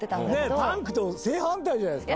パンクと正反対じゃないですか？